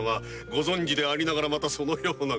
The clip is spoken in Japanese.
ご存じでありながらまたそのような。